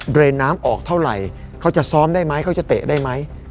เรนน้ำออกเท่าไหร่เขาจะซ้อมได้ไหมเขาจะเตะได้ไหม